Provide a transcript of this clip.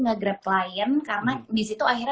nge grab klien karena di situ akhirnya